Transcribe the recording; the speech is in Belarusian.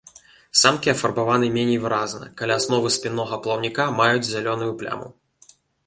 Самкі афарбаваны меней выразна, каля асновы спіннога плаўніка маюць зялёную пляму.